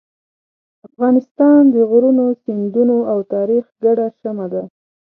افغانستان د غرونو، سیندونو او تاریخ ګډه شمع ده.